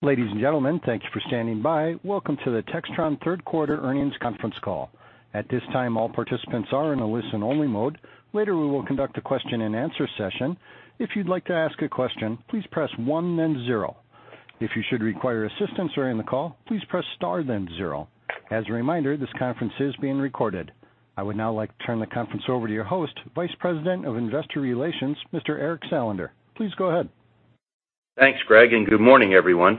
Ladies and gentlemen, thank you for standing by. Welcome to the Textron Third Quarter Earnings Conference Call. At this time, all participants are in a listen-only mode. Later, we will conduct a question-and-answer session. If you'd like to ask a question, please press one then zero. If you should require assistance during the call, please press star then zero. As a reminder, this conference is being recorded. I would now like to turn the conference over to your host, Vice President of Investor Relations, Mr. Eric Salander. Please go ahead. Thanks, Greg, and good morning, everyone.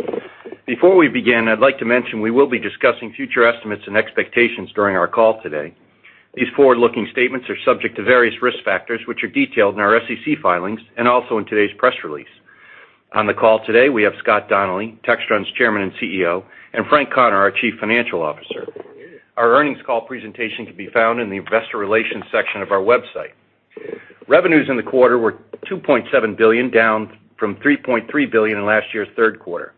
Before we begin, I'd like to mention we will be discussing future estimates and expectations during our call today. These forward-looking statements are subject to various risk factors, which are detailed in our SEC filings and also in today's press release. On the call today, we have Scott Donnelly, Textron's Chairman and CEO, and Frank Connor, our Chief Financial Officer. Our earnings call presentation can be found in the Investor Relations section of our website. Revenues in the quarter were $2.7 billion, down from $3.3 billion in last year's third quarter.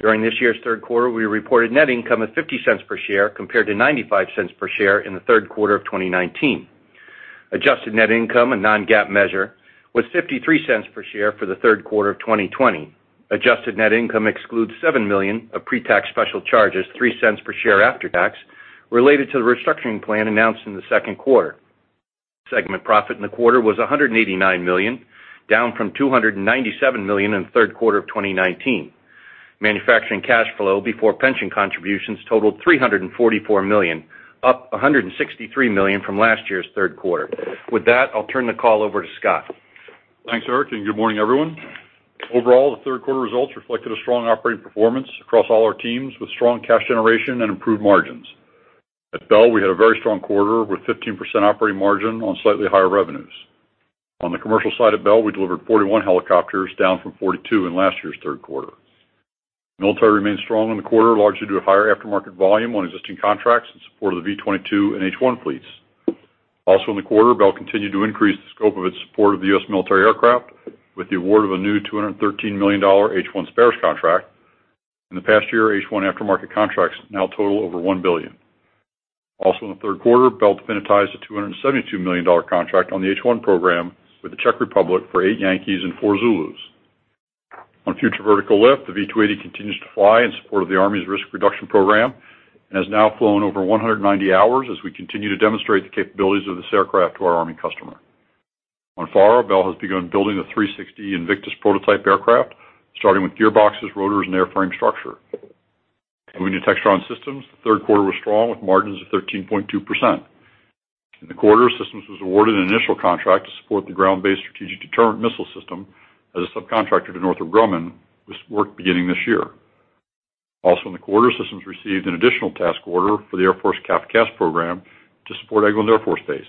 During this year's third quarter, we reported net income of $0.50 per share compared to $0.95 per share in the third quarter of 2019. Adjusted net income, a non-GAAP measure, was $0.53 per share for the third quarter of 2020. Adjusted Net Income excludes $7 million, a pre-tax special charge, as $0.03 per share after tax, related to the restructuring plan announced in the second quarter. Segment Profit in the quarter was $189 million, down from $297 million in the third quarter of 2019. Manufacturing cash flow before pension contributions totaled $344 million, up $163 million from last year's third quarter. With that, I'll turn the call over to Scott. Thanks, Eric, and good morning, everyone. Overall, the third quarter results reflected a strong operating performance across all our teams, with strong cash generation and improved margins. At Bell, we had a very strong quarter with a 15% operating margin on slightly higher revenues. On the commercial side at Bell, we delivered 41 helicopters, down from 42 in last year's third quarter. Military remained strong in the quarter, largely due to higher aftermarket volume on existing contracts in support of the V-22 and H-1 fleets. Also, in the quarter, Bell continued to increase the scope of its support of the U.S. military aircraft with the award of a new $213 million H-1 spares contract. In the past year, H-1 aftermarket contracts now total over $1 billion. Also, in the third quarter, Bell definitized a $272 million contract on the H-1 program with the Czech Republic for eight Yankees and four Zulus. On Future Vertical Lift, the V-280 continues to fly in support of the Army's risk reduction program and has now flown over 190 hours as we continue to demonstrate the capabilities of this aircraft to our Army customer. On FARA, Bell has begun building the 360 Invictus prototype aircraft, starting with gearboxes, rotors, and airframe structure. Moving to Textron Systems, the third quarter was strong with margins of 13.2%. In the quarter, Systems was awarded an initial contract to support the ground-based strategic deterrent missile system as a subcontractor to Northrop Grumman with work beginning this year. Also, in the quarter, Systems received an additional task order for the Air Force CAF CAS program to support Eglin Air Force Base.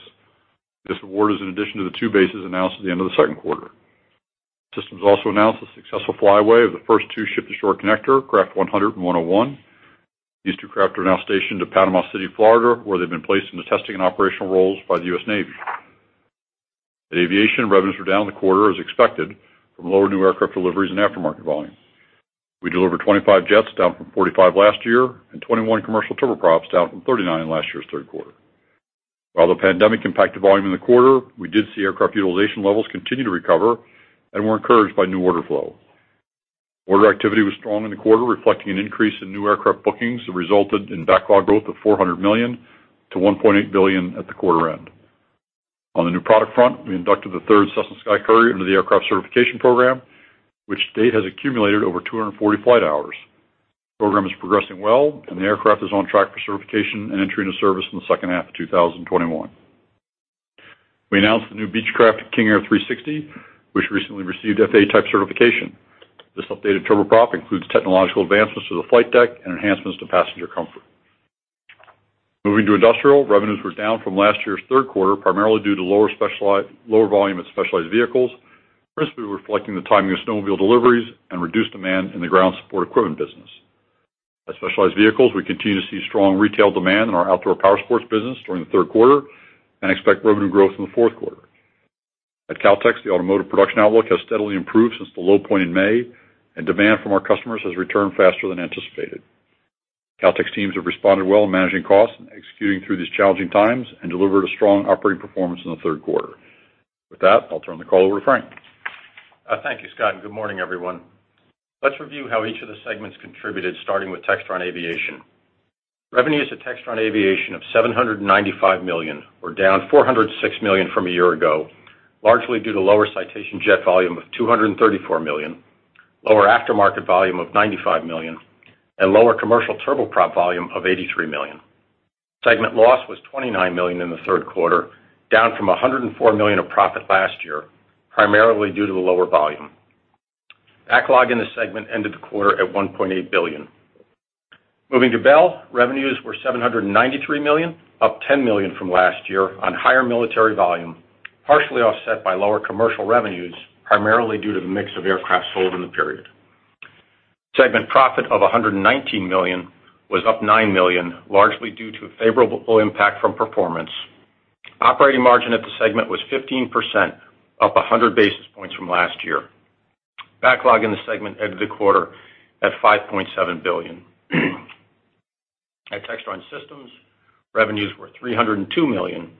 This award is in addition to the two bases announced at the end of the second quarter. Systems also announced the successful flyaway of the first two Ship-to-Shore Connectors, Craft 100 and 101. These two craft are now stationed at Panama City, Florida, where they've been placed into testing and operational roles by the U.S. Navy. In Aviation, revenues were down in the quarter as expected from lower new aircraft deliveries and aftermarket volume. We delivered 25 jets, down from 45 last year, and 21 commercial turboprops, down from 39 last year's third quarter. While the pandemic impacted volume in the quarter, we did see aircraft utilization levels continue to recover and were encouraged by new order flow. Order activity was strong in the quarter, reflecting an increase in new aircraft bookings that resulted in backlog growth of $400 million to $1.8 billion at the quarter end. On the new product front, we inducted the third Cessna SkyCourier into the aircraft certification program, which has accumulated over 240 flight hours. The program is progressing well, and the aircraft is on track for certification and entry into service in the second half of 2021. We announced the new Beechcraft King Air 360, which recently received FAA type certification. This updated turboprop includes technological advancements to the flight deck and enhancements to passenger comfort. Moving to Industrial, revenues were down from last year's third quarter, primarily due to lower volume of Specialized Vehicles, principally reflecting the timing of snowmobile deliveries and reduced demand in the ground support equipment business. At Specialized Vehicles, we continue to see strong retail demand in our outdoor power sports business during the third quarter and expect revenue growth in the fourth quarter. At Kautex, the automotive production outlook has steadily improved since the low point in May, and demand from our customers has returned faster than anticipated. Kautex teams have responded well in managing costs and executing through these challenging times and delivered a strong operating performance in the third quarter. With that, I'll turn the call over to Frank. Thank you, Scott, and good morning, everyone. Let's review how each of the segments contributed, starting with Textron Aviation. Revenues at Textron Aviation of $795 million were down $406 million from a year ago, largely due to lower Citation jet volume of $234 million, lower aftermarket volume of $95 million, and lower commercial turboprop volume of $83 million. Segment loss was $29 million in the third quarter, down from $104 million of profit last year, primarily due to the lower volume. Backlog in this segment ended the quarter at $1.8 billion. Moving to Bell, revenues were $793 million, up $10 million from last year on higher military volume, partially offset by lower commercial revenues, primarily due to the mix of aircraft sold in the period. Segment profit of $119 million was up $9 million, largely due to a favorable impact from performance. Operating margin at the segment was 15%, up 100 basis points from last year. Backlog in the segment ended the quarter at $5.7 billion. At Textron Systems, revenues were $302 million,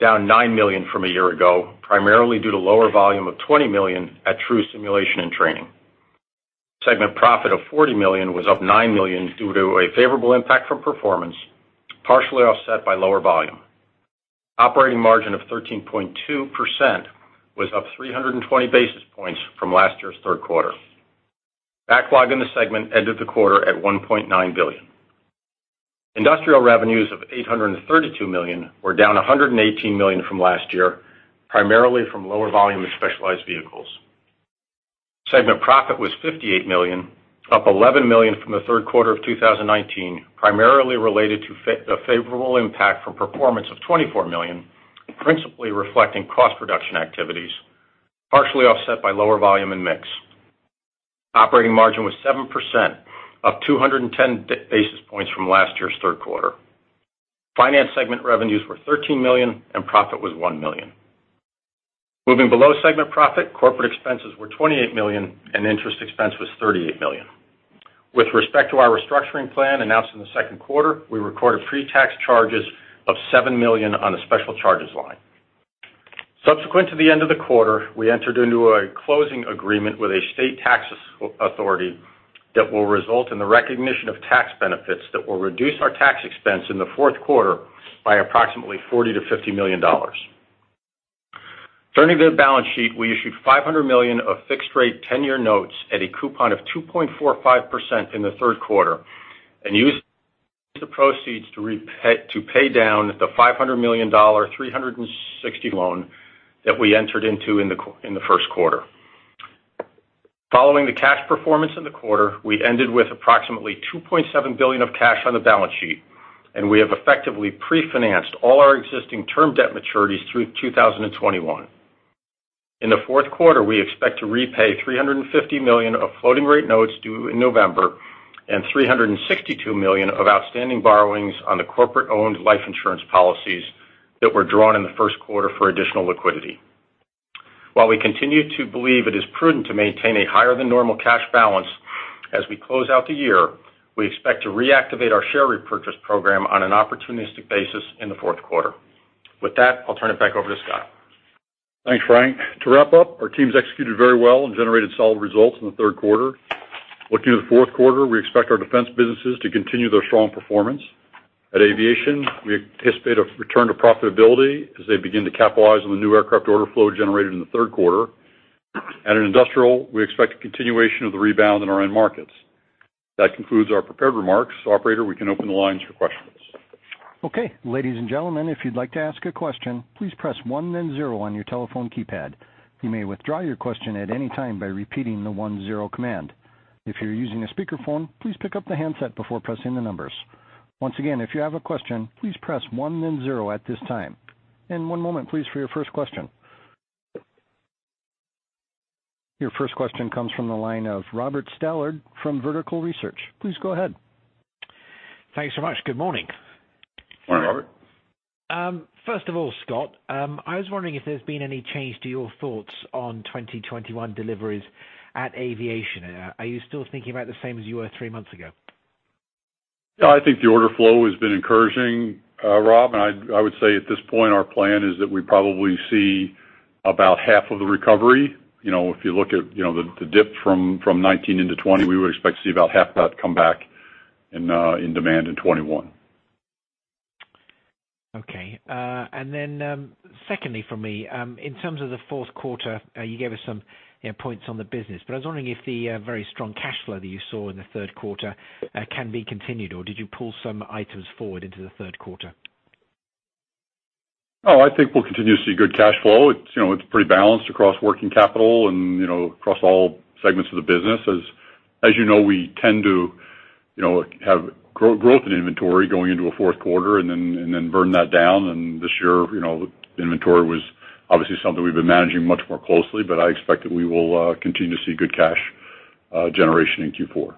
down $9 million from a year ago, primarily due to lower volume of $20 million at TRU Simulation + Training. Segment profit of $40 million was up $9 million due to a favorable impact from performance, partially offset by lower volume. Operating margin of 13.2% was up 320 basis points from last year's third quarter. Backlog in the segment ended the quarter at $1.9 billion. Industrial revenues of $832 million were down $118 million from last year, primarily from lower volume of Specialized Vehicles. Segment profit was $58 million, up $11 million from the third quarter of 2019, primarily related to a favorable impact from performance of $24 million, principally reflecting cost reduction activities, partially offset by lower volume and mix. Operating margin was 7%, up 210 basis points from last year's third quarter. Finance segment revenues were $13 million, and profit was $1 million. Moving below segment profit, corporate expenses were $28 million, and interest expense was $38 million. With respect to our restructuring plan announced in the second quarter, we recorded pre-tax charges of $7 million on the special charges line. Subsequent to the end of the quarter, we entered into a closing agreement with a state tax authority that will result in the recognition of tax benefits that will reduce our tax expense in the fourth quarter by approximately $40-$50 million. Turning to the balance sheet, we issued $500 million of fixed-rate 10-year notes at a coupon of 2.45% in the third quarter and used the proceeds to pay down the $500 million 3.60% loan that we entered into in the first quarter. Following the cash performance in the quarter, we ended with approximately $2.7 billion of cash on the balance sheet, and we have effectively pre-financed all our existing term debt maturities through 2021. In the fourth quarter, we expect to repay $350 million of floating-rate notes due in November and $362 million of outstanding borrowings on the corporate-owned life insurance policies that were drawn in the first quarter for additional liquidity. While we continue to believe it is prudent to maintain a higher-than-normal cash balance as we close out the year, we expect to reactivate our share repurchase program on an opportunistic basis in the fourth quarter. With that, I'll turn it back over to Scott. Thanks, Frank. To wrap up, our teams executed very well and generated solid results in the third quarter. Looking to the fourth quarter, we expect our defense businesses to continue their strong performance. At Aviation, we anticipate a return to profitability as they begin to capitalize on the new aircraft order flow generated in the third quarter. At Industrial, we expect a continuation of the rebound in our end markets. That concludes our prepared remarks. Operator, we can open the lines for questions. Okay. Ladies and gentlemen, if you'd like to ask a question, please press one then zero on your telephone keypad. You may withdraw your question at any time by repeating the one-zero command. If you're using a speakerphone, please pick up the handset before pressing the numbers. Once again, if you have a question, please press one then zero at this time. And one moment, please, for your first question. Your first question comes from the line of Robert Stallard from Vertical Research. Please go ahead. Thanks so much. Good morning. Morning, Robert. First of all, Scott, I was wondering if there's been any change to your thoughts on 2021 deliveries at Aviation. Are you still thinking about the same as you were three months ago? Yeah, I think the order flow has been encouraging, Rob. And I would say at this point, our plan is that we probably see about half of the recovery. If you look at the dip from 2019 into 2020, we would expect to see about half of that come back in demand in 2021. Okay. And then secondly for me, in terms of the fourth quarter, you gave us some points on the business, but I was wondering if the very strong cash flow that you saw in the third quarter can be continued, or did you pull some items forward into the third quarter? No, I think we'll continue to see good cash flow. It's pretty balanced across working capital and across all segments of the business. As you know, we tend to have growth in inventory going into a fourth quarter and then burn that down, and this year, inventory was obviously something we've been managing much more closely, but I expect that we will continue to see good cash generation in Q4.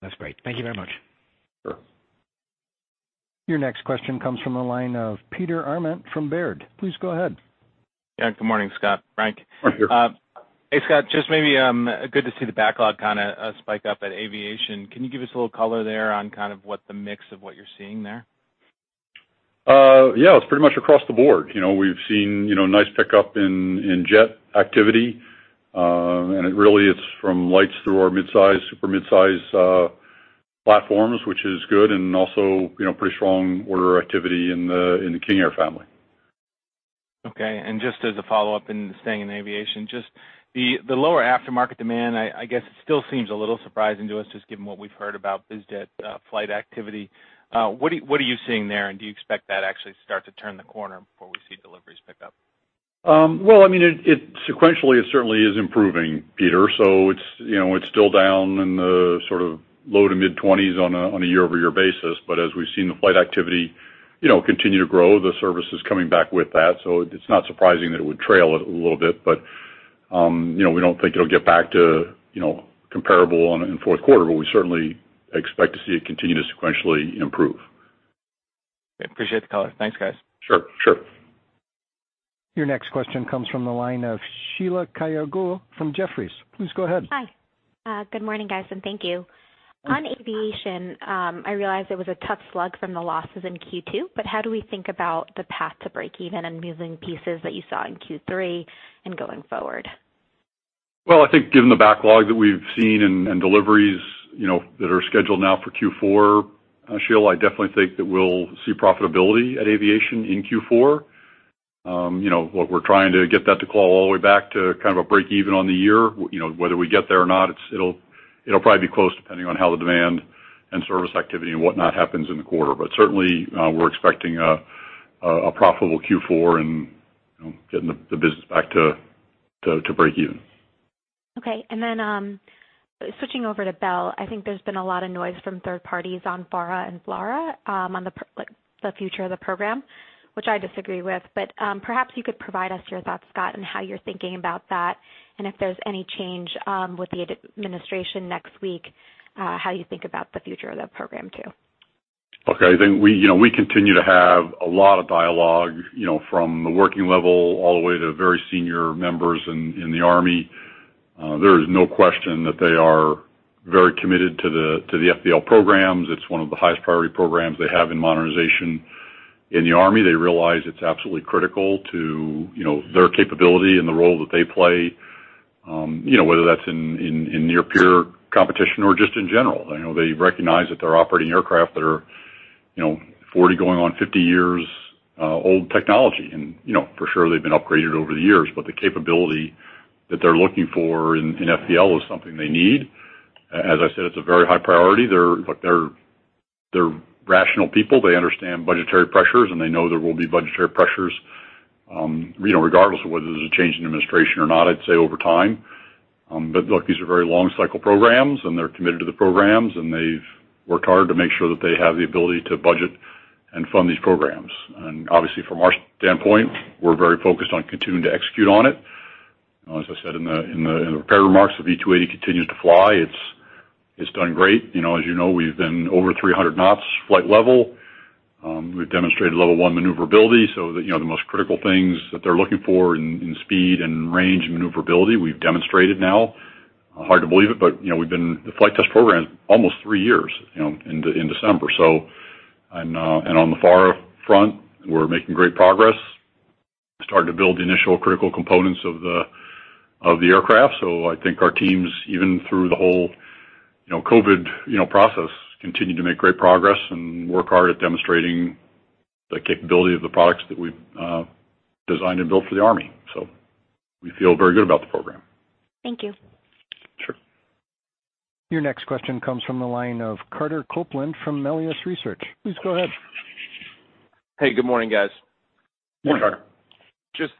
That's great. Thank you very much. Sure. Your next question comes from the line of Peter Arment from Baird. Please go ahead. Yeah. Good morning, Scott. Frank. Peter Arment here. Hey, Scott. Just maybe good to see the backlog kind of spike up at Aviation. Can you give us a little color there on kind of what the mix of what you're seeing there? Yeah, it's pretty much across the board. We've seen a nice pickup in jet activity, and it really is from lights through our midsize, super midsize platforms, which is good, and also pretty strong order activity in the King Air family. Okay. And just as a follow-up in staying in Aviation, just the lower aftermarket demand, I guess it still seems a little surprising to us just given what we've heard about biz jet flight activity. What are you seeing there, and do you expect that actually to start to turn the corner before we see deliveries pick up? Well, I mean, it sequentially certainly is improving, Peter. So it's still down in the sort of low-to-mid 20s on a year-over-year basis. But as we've seen the flight activity continue to grow, the service is coming back with that. So it's not surprising that it would trail a little bit, but we don't think it'll get back to comparable in fourth quarter, but we certainly expect to see it continue to sequentially improve. Appreciate the color. Thanks, guys. Sure. Sure. Your next question comes from the line of Sheila Kahyaoglu from Jefferies. Please go ahead. Hi. Good morning, guys, and thank you. On Aviation, I realized it was a tough slog from the losses in Q2, but how do we think about the path to breakeven and moving pieces that you saw in Q3 and going forward? I think given the backlog that we've seen and deliveries that are scheduled now for Q4, Sheila, I definitely think that we'll see profitability at Aviation in Q4. What we're trying to get that to claw all the way back to kind of a breakeven on the year. Whether we get there or not, it'll probably be close depending on how the demand and service activity and whatnot happens in the quarter. Certainly, we're expecting a profitable Q4 and getting the business back to breakeven. Okay. And then switching over to Bell, I think there's been a lot of noise from third parties on FARA and FLRAA on the future of the program, which I disagree with. But perhaps you could provide us your thoughts, Scott, on how you're thinking about that and if there's any change with the administration next week, how you think about the future of the program too. Okay. I think we continue to have a lot of dialogue from the working level all the way to very senior members in the Army. There is no question that they are very committed to the FVL programs. It's one of the highest priority programs they have in modernization in the Army. They realize it's absolutely critical to their capability and the role that they play, whether that's in near-peer competition or just in general. They recognize that they're operating aircraft that are 40, going on 50 years old technology. And for sure, they've been upgraded over the years, but the capability that they're looking for in FVL is something they need. As I said, it's a very high priority. They're rational people. They understand budgetary pressures, and they know there will be budgetary pressures regardless of whether there's a change in administration or not, I'd say over time. But look, these are very long-cycle programs, and they're committed to the programs, and they've worked hard to make sure that they have the ability to budget and fund these programs. And obviously, from our standpoint, we're very focused on continuing to execute on it. As I said in the prepared remarks, the V-280 continues to fly. It's done great. As you know, we've been over 300 knots flight level. We've demonstrated level one maneuverability. So the most critical things that they're looking for in speed and range maneuverability, we've demonstrated now. Hard to believe it, but we've been in the flight test program almost three years in December. So on the FVL front, we're making great progress. Starting to build the initial critical components of the aircraft. So I think our teams, even through the whole COVID process, continue to make great progress and work hard at demonstrating the capability of the products that we've designed and built for the army. So we feel very good about the program. Thank you. Sure. Your next question comes from the line of Carter Copeland from Melius Research. Please go ahead. Hey, good morning, guys. Morning, Carter. Just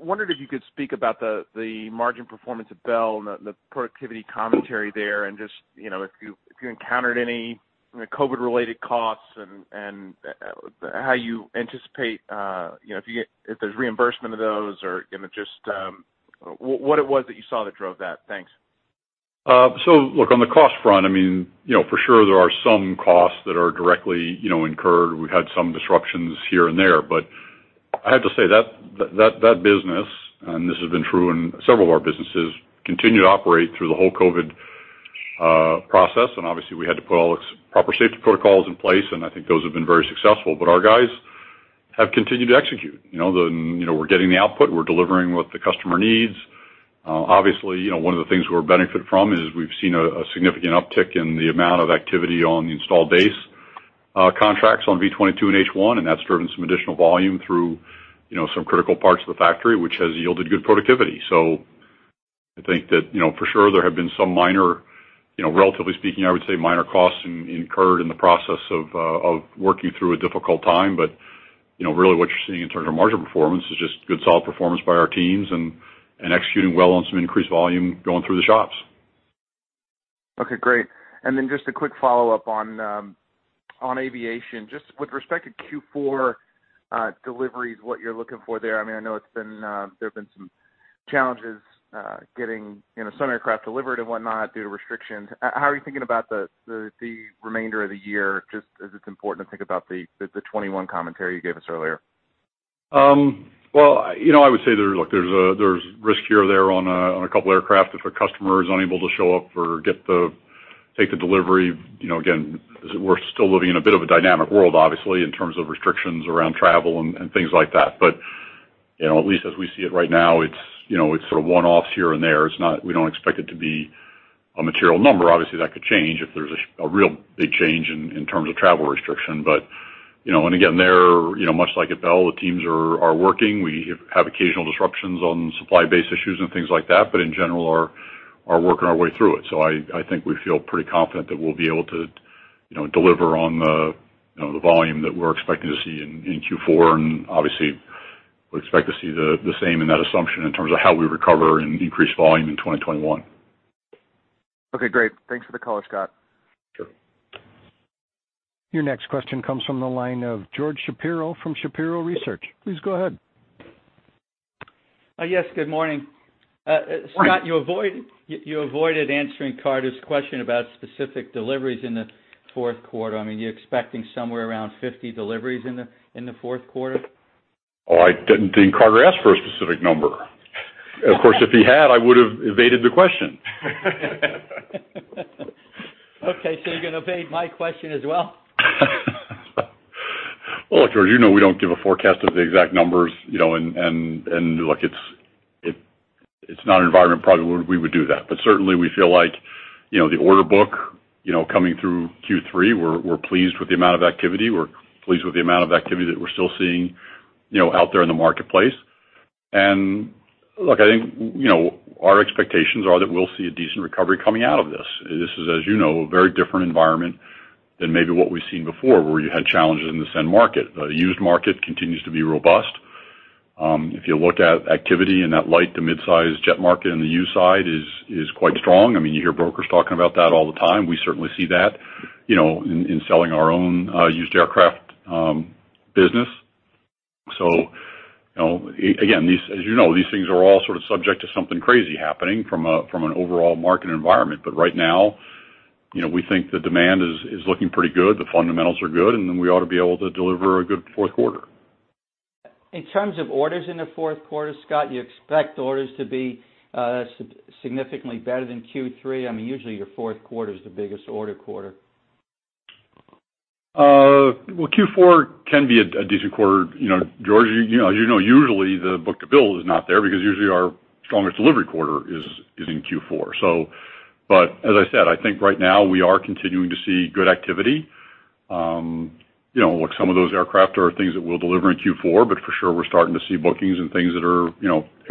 wondered if you could speak about the margin performance at Bell and the productivity commentary there and just if you encountered any COVID-related costs and how you anticipate if there's reimbursement of those or just what it was that you saw that drove that? Thanks. So, look, on the cost front, I mean, for sure, there are some costs that are directly incurred. We've had some disruptions here and there, but I have to say that that business, and this has been true in several of our businesses, continued to operate through the whole COVID process. And obviously, we had to put all the proper safety protocols in place, and I think those have been very successful. But our guys have continued to execute. We're getting the output. We're delivering what the customer needs. Obviously, one of the things we're benefiting from is we've seen a significant uptick in the amount of activity on the installed base contracts on V-22 and H-1, and that's driven some additional volume through some critical parts of the factory, which has yielded good productivity. So I think that for sure, there have been some minor, relatively speaking, I would say minor costs incurred in the process of working through a difficult time. But really, what you're seeing in terms of margin performance is just good solid performance by our teams and executing well on some increased volume going through the shops. Okay. Great. And then just a quick follow-up on Aviation. Just with respect to Q4 deliveries, what you're looking for there, I mean, I know there have been some challenges getting some aircraft delivered and whatnot due to restrictions. How are you thinking about the remainder of the year just as it's important to think about the 2021 commentary you gave us earlier? I would say there's risk here or there on a couple of aircraft. If a customer is unable to show up or take the delivery, again, we're still living in a bit of a dynamic world, obviously, in terms of restrictions around travel and things like that. But at least as we see it right now, it's sort of one-offs here and there. We don't expect it to be a material number. Obviously, that could change if there's a real big change in terms of travel restriction. But again, there, much like at Bell, the teams are working. We have occasional disruptions on supply-based issues and things like that, but in general, are working our way through it. So I think we feel pretty confident that we'll be able to deliver on the volume that we're expecting to see in Q4 and obviously would expect to see the same in that assumption in terms of how we recover and increase volume in 2021. Okay. Great. Thanks for the call, Scott. Sure. Your next question comes from the line of George Shapiro from Shapiro Research. Please go ahead. Yes. Good morning. Scott, you avoided answering Carter's question about specific deliveries in the fourth quarter. I mean, you're expecting somewhere around 50 deliveries in the fourth quarter? Oh, I didn't think Carter asked for a specific number. Of course, if he had, I would have evaded the question. Okay. So you're going to evade my question as well? George, you know we don't give a forecast of the exact numbers. Look, it's not an environment probably where we would do that. Certainly, we feel like the order book coming through Q3, we're pleased with the amount of activity. We're pleased with the amount of activity that we're still seeing out there in the marketplace. Look, I think our expectations are that we'll see a decent recovery coming out of this. This is, as you know, a very different environment than maybe what we've seen before where you had challenges in the SEN market. The used market continues to be robust. If you look at activity in that light to midsize jet market, and the used side is quite strong. I mean, you hear brokers talking about that all the time. We certainly see that in selling our own used aircraft business. So again, as you know, these things are all sort of subject to something crazy happening from an overall market environment. But right now, we think the demand is looking pretty good. The fundamentals are good, and then we ought to be able to deliver a good fourth quarter. In terms of orders in the fourth quarter, Scott, you expect orders to be significantly better than Q3? I mean, usually, your fourth quarter is the biggest order quarter. Well, Q4 can be a decent quarter. George, as you know, usually, the book-to-bill is not there because usually our strongest delivery quarter is in Q4. But as I said, I think right now we are continuing to see good activity. Look, some of those aircraft are things that we'll deliver in Q4, but for sure, we're starting to see bookings and things that are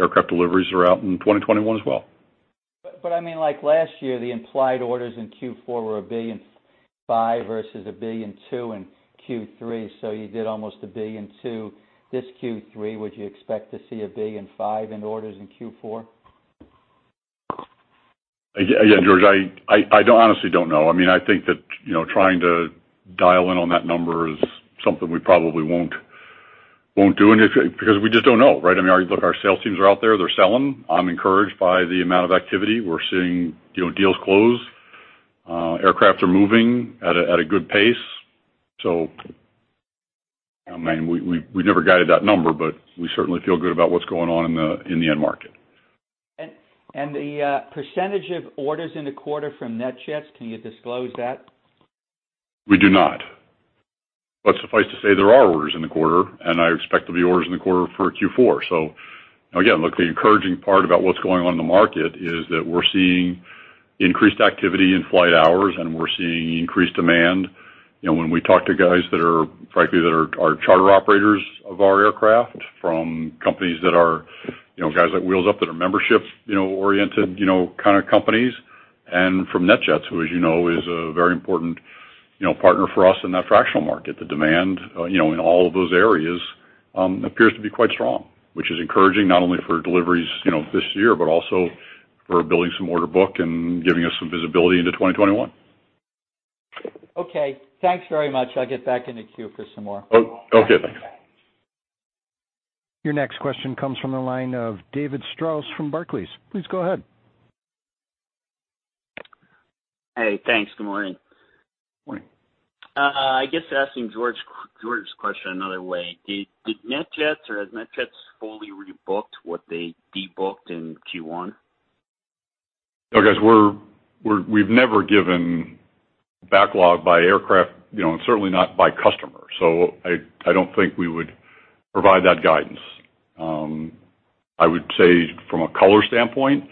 aircraft deliveries are out in 2021 as well. But I mean, like last year, the implied orders in Q4 were $1.5 billion versus $1.2 billion in Q3. So you did almost $1.2 billion this Q3. Would you expect to see $1.5 billion in orders in Q4? Again, George, I honestly don't know. I mean, I think that trying to dial in on that number is something we probably won't do because we just don't know, right? I mean, look, our sales teams are out there. They're selling. I'm encouraged by the amount of activity. We're seeing deals close. Aircraft are moving at a good pace. So I mean, we've never guided that number, but we certainly feel good about what's going on in the end market. The percentage of orders in the quarter from NetJets, can you disclose that? We do not, but suffice to say, there are orders in the quarter, and I expect there'll be orders in the quarter for Q4, so again, look, the encouraging part about what's going on in the market is that we're seeing increased activity in flight hours, and we're seeing increased demand. When we talk to guys that are frankly charter operators of our aircraft from companies that are, guys that Wheels Up that are membership-oriented kind of companies and from NetJets, who as you know is a very important partner for us in that fractional market. The demand in all of those areas appears to be quite strong, which is encouraging not only for deliveries this year, but also for building some order book and giving us some visibility into 2021. Okay. Thanks very much. I'll get back into queue for some more. Okay. Thanks. Your next question comes from the line of David Strauss from Barclays. Please go ahead. Hey. Thanks. Good morning. Morning. I guess, asking George's question another way. Did NetJets, or has NetJets, fully rebooked what they debooked in Q1? Okay. We've never given backlog by aircraft, certainly not by customer. So I don't think we would provide that guidance. I would say from a color standpoint,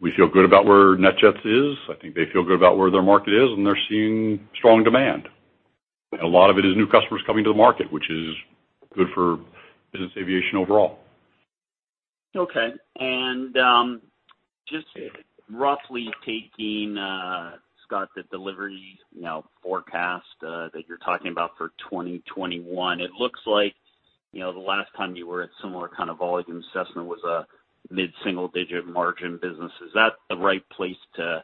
we feel good about where NetJets is. I think they feel good about where their market is, and they're seeing strong demand. And a lot of it is new customers coming to the market, which is good for business Aviation overall. Okay. And just roughly taking, Scott, the delivery forecast that you're talking about for 2021, it looks like the last time you were at similar kind of volume assessment was a mid-single-digit margin business. Is that the right place to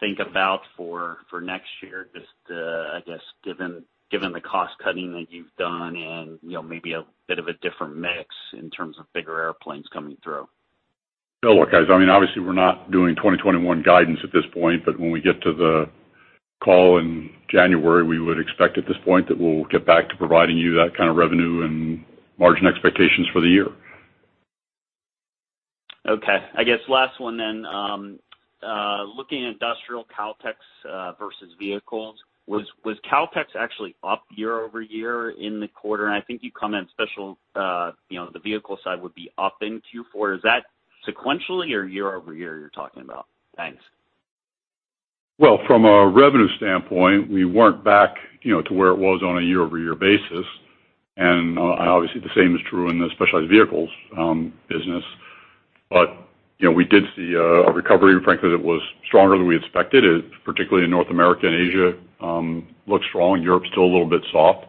think about for next year, just I guess given the cost cutting that you've done and maybe a bit of a different mix in terms of bigger airplanes coming through? Look, guys, I mean, obviously, we're not doing 2021 guidance at this point, but when we get to the call in January, we would expect at this point that we'll get back to providing you that kind of revenue and margin expectations for the year. Okay. I guess last one then, looking at Industrial Kautex versus vehicles, was Kautex actually up year over year in the quarter? And I think you commented especially the vehicle side would be up in Q4. Is that sequentially or year over year you're talking about? Thanks. From a revenue standpoint, we weren't back to where it was on a year-over-year basis. Obviously, the same is true in the Specialized Vehicles business. We did see a recovery. Frankly, it was stronger than we expected, particularly in North America and Asia. Looks strong. Europe's still a little bit soft.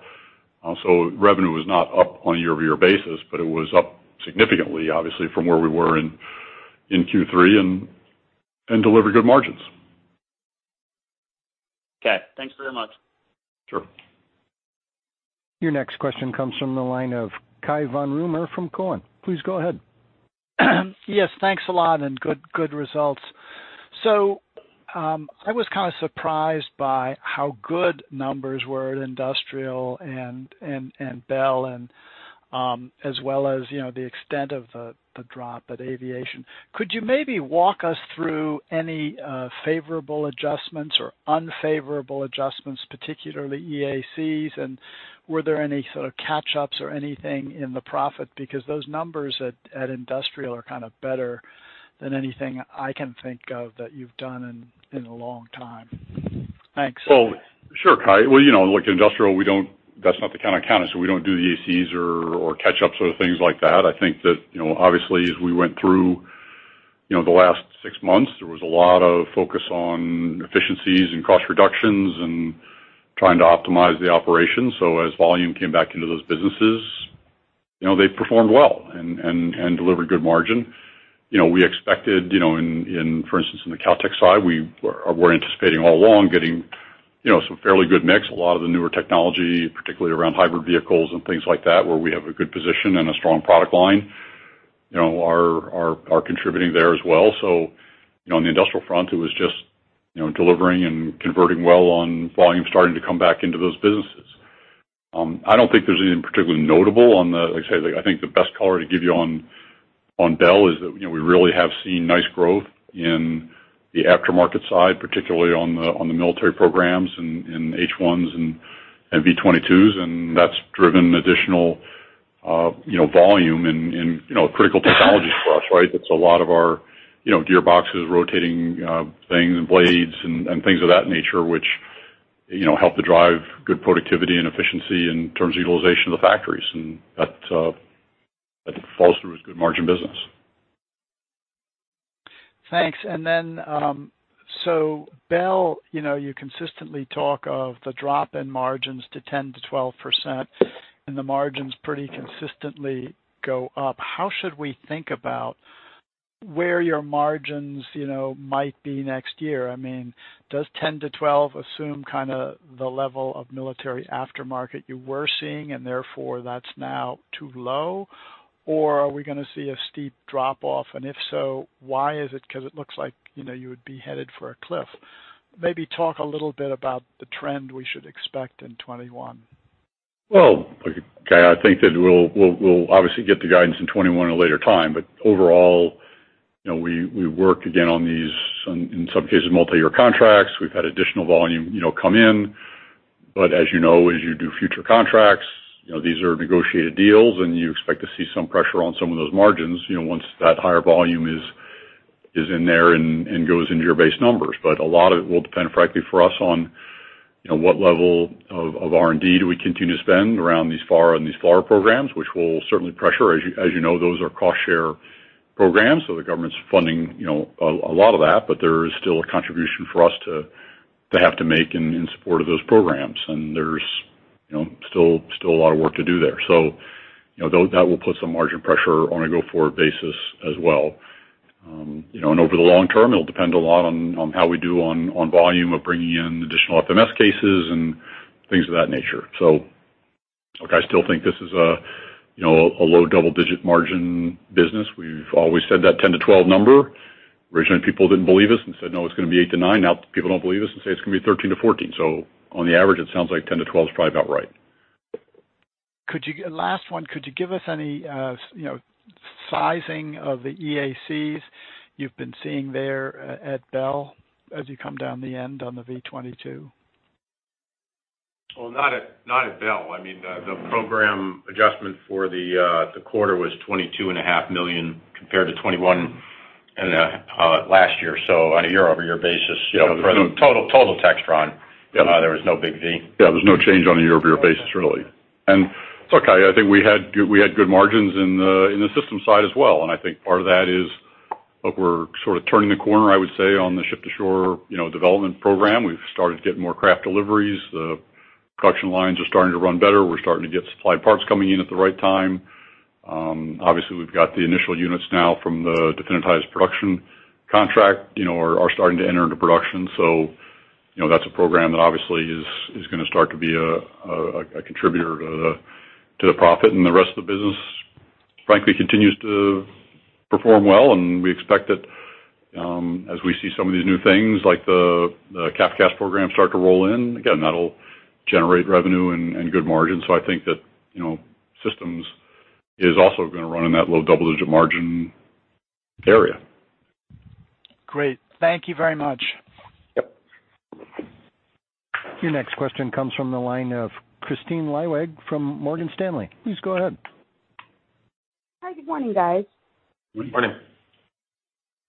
Revenue was not up on a year-over-year basis, but it was up significantly, obviously, from where we were in Q3 and delivered good margins. Okay. Thanks very much. Sure. Your next question comes from the line of Cai von Rumohr from Cowen. Please go ahead. Yes. Thanks a lot. And good results. So I was kind of surprised by how good numbers were at Industrial and Bell as well as the extent of the drop at Aviation. Could you maybe walk us through any favorable adjustments or unfavorable adjustments, particularly EACs? And were there any sort of catch-ups or anything in the profit? Because those numbers at Industrial are kind of better than anything I can think of that you've done in a long time. Thanks. Well, sure, Cai. Well, look, Industrial, that's not the kind of accounting. So we don't do the EACs or catch-ups or things like that. I think that obviously, as we went through the last six months, there was a lot of focus on efficiencies and cost reductions and trying to optimize the operations. So as volume came back into those businesses, they performed well and delivered good margin. We expected in, for instance, in the Kautex side, we were anticipating all along getting some fairly good mix. A lot of the newer technology, particularly around hybrid vehicles and things like that, where we have a good position and a strong product line, are contributing there as well. So on the Industrial front, it was just delivering and converting well on volume starting to come back into those businesses. I don't think there's anything particularly notable on the, like I say, I think the best color to give you on Bell is that we really have seen nice growth in the aftermarket side, particularly on the military programs and H-1s and V-22s. And that's driven additional volume in critical technologies for us, right? It's a lot of our gearboxes, rotating things, and blades, and things of that nature, which help to drive good productivity and efficiency in terms of utilization of the factories. And that falls through as good margin business. Thanks. And then so Bell, you consistently talk of the drop in margins to 10%-12%, and the margins pretty consistently go up. How should we think about where your margins might be next year? I mean, does 10%-12% assume kind of the level of military aftermarket you were seeing, and therefore that's now too low? Or are we going to see a steep drop-off? And if so, why is it? Because it looks like you would be headed for a cliff. Maybe talk a little bit about the trend we should expect in 2021. Cai, I think that we'll obviously get the guidance in 2021 at a later time. Overall, we work again on these, in some cases, multi-year contracts. We've had additional volume come in. As you know, as you do future contracts, these are negotiated deals, and you expect to see some pressure on some of those margins once that higher volume is in there and goes into your base numbers. A lot of it will depend, frankly, for us on what level of R&D do we continue to spend around these FARA and these FLRAA programs, which will certainly pressure. As you know, those are cost-share programs. The government's funding a lot of that, but there is still a contribution for us to have to make in support of those programs. There's still a lot of work to do there. So that will put some margin pressure on a go-forward basis as well. And over the long term, it'll depend a lot on how we do on volume of bringing in additional FMS cases and things of that nature. So look, I still think this is a low double-digit margin business. We've always said that 10%-12% number. Originally, people didn't believe us and said, "No, it's going to be 8%-9%." Now people don't believe us and say it's going to be 13%-14%. So on the average, it sounds like 10%-12% is probably about right. Last one. Could you give us any sizing of the EACs you've been seeing there at Bell as you come down the end on the V-22? Not at Bell. I mean, the program adjustment for the quarter was $22.5 million compared to 2021 and last year. On a year-over-year basis, for the total Textron, there was no big V. Yeah. There's no change on a year-over-year basis, really. And look, I think we had good margins in the system side as well. And I think part of that is, look, we're sort of turning the corner, I would say, on the ship-to-shore development program. We've started getting more craft deliveries. The production lines are starting to run better. We're starting to get supplied parts coming in at the right time. Obviously, we've got the initial units now from the definitized production contract are starting to enter into production. So that's a program that obviously is going to start to be a contributor to the profit. And the rest of the business, frankly, continues to perform well. And we expect that as we see some of these new things like the CAF CAS program start to roll in, again, that'll generate revenue and good margins. So I think that Systems is also going to run in that low double-digit margin area. Great. Thank you very much. Yep. Your next question comes from the line of Kristine Liwag from Morgan Stanley. Please go ahead. Hi. Good morning, guys. Morning.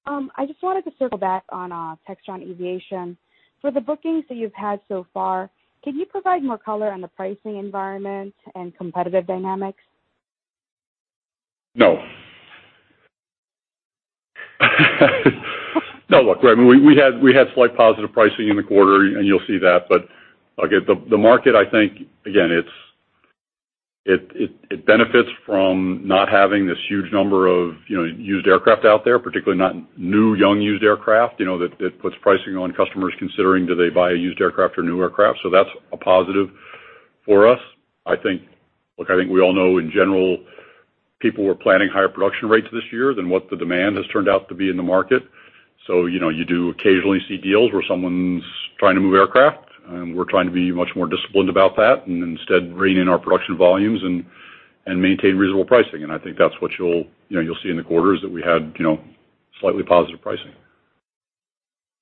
I just wanted to circle back on Textron Aviation. For the bookings that you've had so far, can you provide more color on the pricing environment and competitive dynamics? No. No. Look, we had slight positive pricing in the quarter, and you'll see that, but look, the market, I think, again, it benefits from not having this huge number of used aircraft out there, particularly not new, young used aircraft. That puts pricing on customers considering do they buy a used aircraft or new aircraft, so that's a positive for us. I think, look, I think we all know in general, people were planning higher production rates this year than what the demand has turned out to be in the market, so you do occasionally see deals where someone's trying to move aircraft, and we're trying to be much more disciplined about that and instead rein in our production volumes and maintain reasonable pricing, and I think that's what you'll see in the quarter is that we had slightly positive pricing.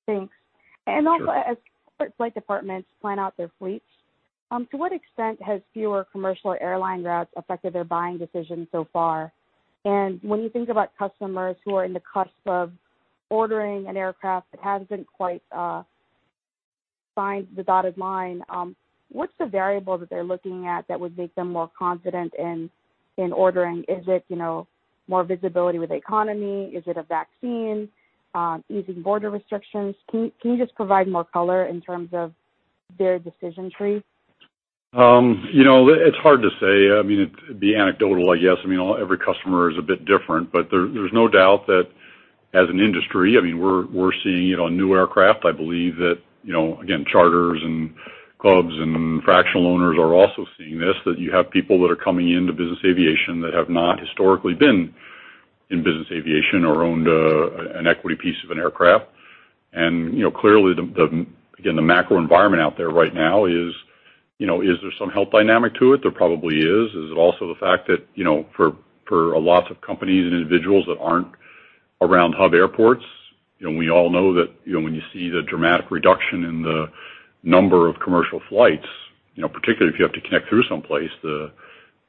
Thanks. And also, as flight departments plan out their fleets, to what extent has fewer commercial airline routes affected their buying decisions so far? And when you think about customers who are on the cusp of ordering an aircraft that hasn't quite signed the dotted line, what's the variable that they're looking at that would make them more confident in ordering? Is it more visibility with the economy? Is it a vaccine? Easing border restrictions? Can you just provide more color in terms of their decision tree? It's hard to say. I mean, it'd be anecdotal, I guess. I mean, every customer is a bit different. But there's no doubt that as an industry, I mean, we're seeing new aircraft. I believe that, again, charters and clubs and fractional owners are also seeing this, that you have people that are coming into business Aviation that have not historically been in business Aviation or owned an equity piece of an aircraft. And clearly, again, the macro environment out there right now is there some healthy dynamic to it? There probably is. Is it also the fact that for lots of companies and individuals that aren't around hub airports? We all know that when you see the dramatic reduction in the number of commercial flights, particularly if you have to connect through someplace, the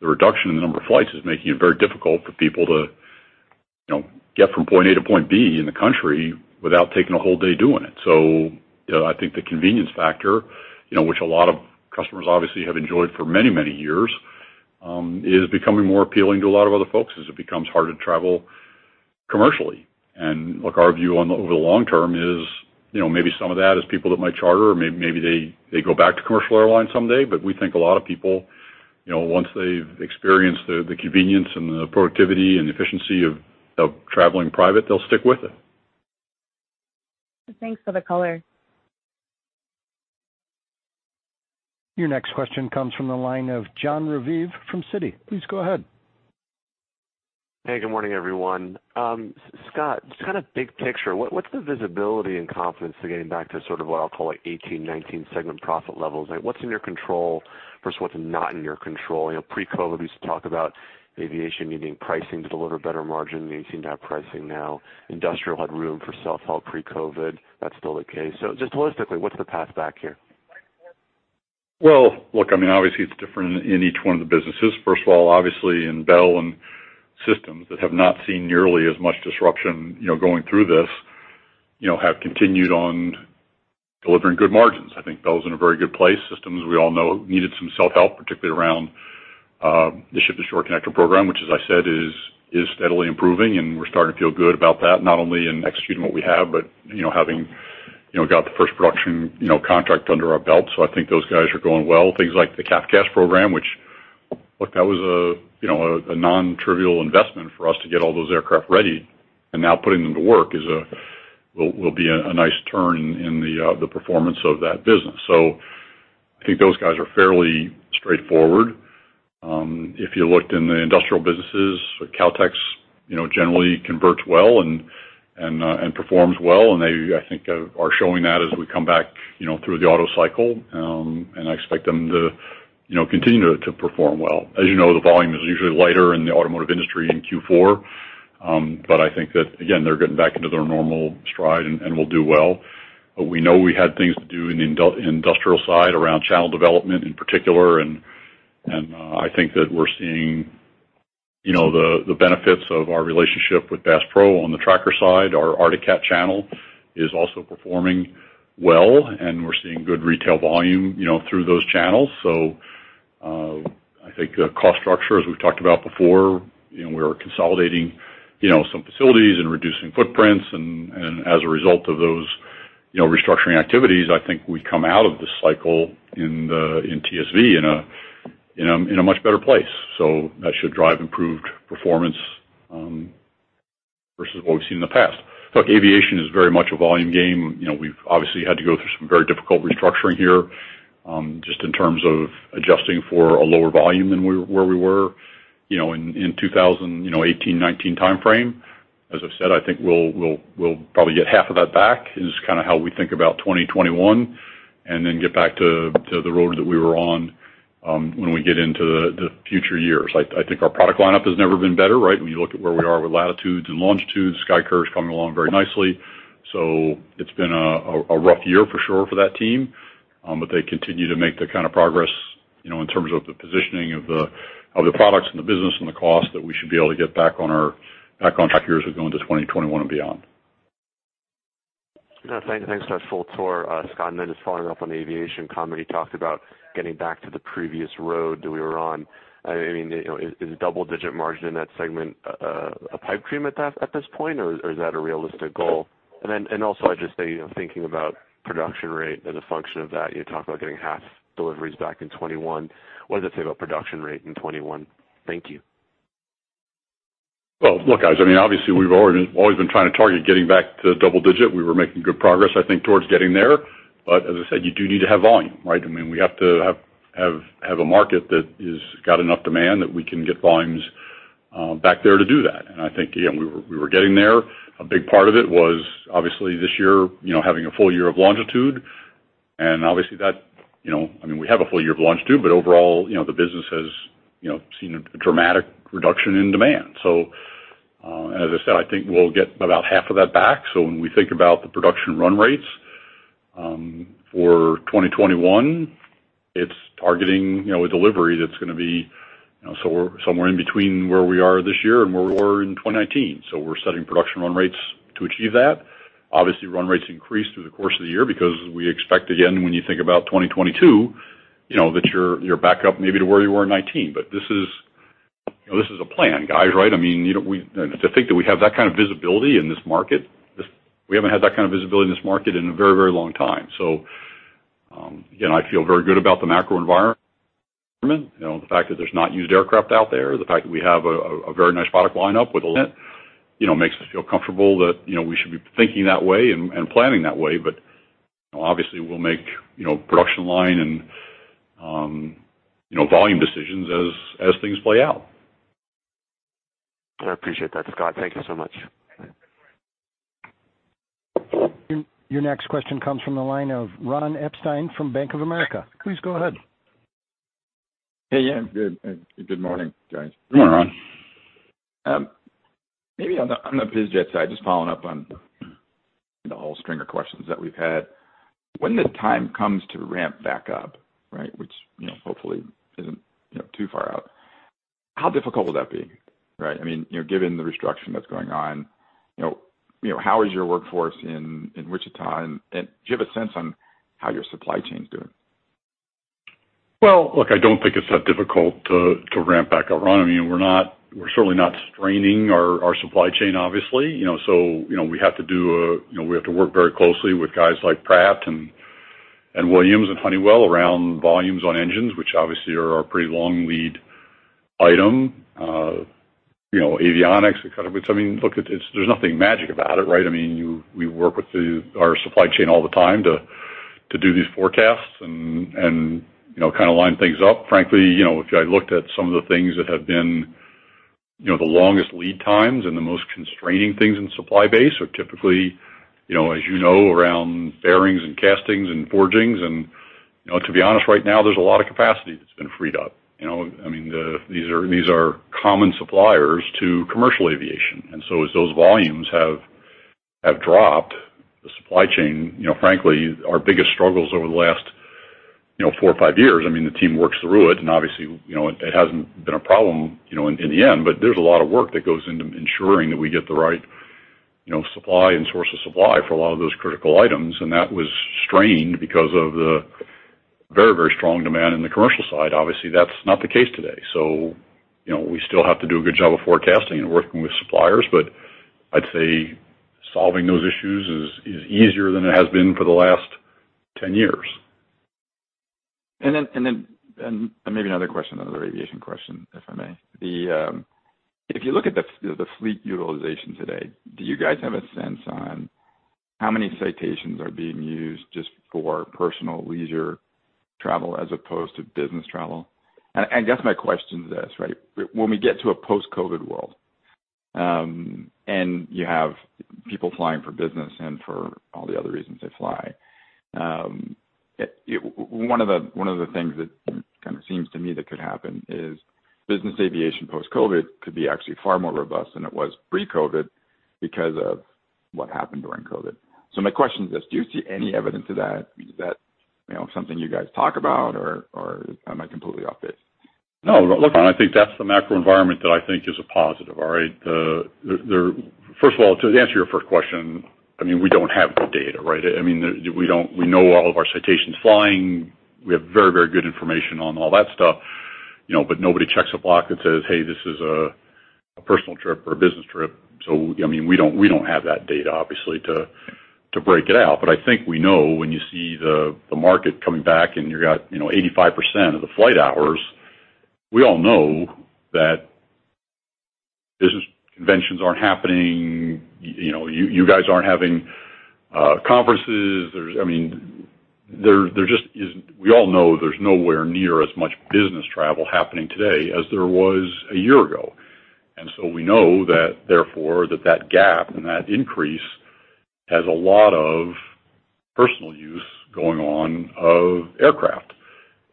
reduction in the number of flights is making it very difficult for people to get from point A to point B in the country without taking a whole day doing it, so I think the convenience factor, which a lot of customers obviously have enjoyed for many, many years, is becoming more appealing to a lot of other folks as it becomes harder to travel commercially, and look, our view over the long term is maybe some of that is people that might charter or maybe they go back to commercial airlines someday, but we think a lot of people, once they've experienced the convenience and the productivity and efficiency of traveling private, they'll stick with it. Thanks for the color. Your next question comes from the line of John Raviv from Citi. Please go ahead. Hey, good morning, everyone. Scott, just kind of big picture, what's the visibility and confidence to getting back to sort of what I'll call 18, 19 segment profit levels? What's in your control versus what's not in your control? Pre-COVID, we used to talk about Aviation needing pricing to deliver better margin. You seem to have pricing now. Industrial had room for self-help pre-COVID. That's still the case. So just holistically, what's the path back here? Well, look, I mean, obviously, it's different in each one of the businesses. First of all, obviously, in Bell and Systems that have not seen nearly as much disruption going through this have continued on delivering good margins. I think Bell's in a very good place. Systems, we all know, needed some self-help, particularly around the Ship-to-Shore Connector program, which, as I said, is steadily improving. And we're starting to feel good about that, not only in executing what we have, but having got the first production contract under our belt. So I think those guys are going well. Things like the CAF CAS program, which, look, that was a non-trivial investment for us to get all those aircraft ready. And now putting them to work will be a nice turn in the performance of that business. So I think those guys are fairly straightforward. If you looked in the Industrial businesses, Kautex generally converts well and performs well. And they, I think, are showing that as we come back through the auto cycle. And I expect them to continue to perform well. As you know, the volume is usually lighter in the automotive industry in Q4. But I think that, again, they're getting back into their normal stride and will do well. But we know we had things to do in the Industrial side around channel development in particular. And I think that we're seeing the benefits of our relationship with Bass Pro on the Tracker side. Our Arctic Cat channel is also performing well. And we're seeing good retail volume through those channels. So I think the cost structure, as we've talked about before, we're consolidating some facilities and reducing footprints. And as a result of those restructuring activities, I think we come out of this cycle in TSV in a much better place. So that should drive improved performance versus what we've seen in the past. Look, Aviation is very much a volume game. We've obviously had to go through some very difficult restructuring here just in terms of adjusting for a lower volume than where we were in 2018, 2019 timeframe. As I've said, I think we'll probably get half of that back. It's kind of how we think about 2021 and then get back to the road that we were on when we get into the future years. I think our product lineup has never been better, right? When you look at where we are with Latitudes and Longitudes, SkyCourier coming along very nicely. So it's been a rough year for sure for that team. But they continue to make the kind of progress in terms of the positioning of the products and the business and the cost that we should be able to get back on track years of going to 2021 and beyond. Thanks, Scott Fultor. Scott is following up on Aviation comment. He talked about getting back to the previous road that we were on. I mean, is a double-digit margin in that segment a pipe dream at this point, or is that a realistic goal? And also, I just say thinking about production rate as a function of that, you talked about getting half deliveries back in 2021. What does it say about production rate in 2021? Thank you. Look, guys, I mean, obviously, we've always been trying to target getting back to double-digit. We were making good progress, I think, towards getting there. But as I said, you do need to have volume, right? I mean, we have to have a market that has got enough demand that we can get volumes back there to do that. And I think we were getting there. A big part of it was, obviously, this year having a full year of longitude. And obviously, that I mean, we have a full year of longitude, but overall, the business has seen a dramatic reduction in demand. So as I said, I think we'll get about half of that back. So when we think about the production run rates for 2021, it's targeting a delivery that's going to be somewhere in between where we are this year and where we were in 2019. So we're setting production run rates to achieve that. Obviously, run rates increase through the course of the year because we expect, again, when you think about 2022, that you're back up maybe to where you were in 2019. But this is a plan, guys, right? I mean, to think that we have that kind of visibility in this market, we haven't had that kind of visibility in this market in a very, very long time. So again, I feel very good about the macro environment. The fact that there's not used aircraft out there, the fact that we have a very nice product lineup with it makes us feel comfortable that we should be thinking that way and planning that way. But obviously, we'll make production line and volume decisions as things play out. I appreciate that, Scott. Thank you so much. Your next question comes from the line of Ron Epstein from Bank of America. Please go ahead. Hey, yeah. Good morning, guys. Good morning, Ron. Maybe on the business jet side, just following up on the whole string of questions that we've had. When the time comes to ramp back up, right, which hopefully isn't too far out, how difficult will that be, right? I mean, given the restructuring that's going on, how is your workforce in Wichita? And do you have a sense on how your supply chain's doing? Well, look, I don't think it's that difficult to ramp back up. Ron, I mean, we're certainly not straining our supply chain, obviously. So we have to work very closely with guys like Pratt and Williams and Honeywell around volumes on engines, which obviously are a pretty long lead item. Avionics, etc. I mean, look, there's nothing magic about it, right? I mean, we work with our supply chain all the time to do these forecasts and kind of line things up. Frankly, if I looked at some of the things that have been the longest lead times and the most constraining things in the supply base, which typically, as you know, around bearings and castings and forgings, and to be honest, right now, there's a lot of capacity that's been freed up. I mean, these are common suppliers to commercial Aviation. And so as those volumes have dropped, the supply chain, frankly, our biggest struggles over the last four or five years, I mean, the team works through it. And obviously, it hasn't been a problem in the end. But there's a lot of work that goes into ensuring that we get the right supply and source of supply for a lot of those critical items. And that was strained because of the very, very strong demand in the commercial side. Obviously, that's not the case today. So we still have to do a good job of forecasting and working with suppliers. But I'd say solving those issues is easier than it has been for the last 10 years. And then maybe another question, another Aviation question, if I may. If you look at the fleet utilization today, do you guys have a sense on how many Citations are being used just for personal leisure travel as opposed to business travel? And I guess my question is this, right? When we get to a post-COVID world and you have people flying for business and for all the other reasons they fly, one of the things that kind of seems to me that could happen is business Aviation post-COVID could be actually far more robust than it was pre-COVID because of what happened during COVID. So my question is this. Do you see any evidence of that? Is that something you guys talk about, or am I completely off base? No, look, I think that's the macro environment that I think is a positive, all right? First of all, to answer your first question, I mean, we don't have the data, right? I mean, we know all of our Citations flying. We have very, very good information on all that stuff. But nobody checks a box that says, "Hey, this is a personal trip or a business trip." So I mean, we don't have that data, obviously, to break it out. But I think we know when you see the market coming back and you got 85% of the flight hours, we all know that business conventions aren't happening. You guys aren't having conferences. I mean, we all know there's nowhere near as much business travel happening today as there was a year ago. And so we know that, therefore, that gap and that increase has a lot of personal use going on of aircraft.